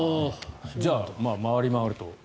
じゃあ回りまわると。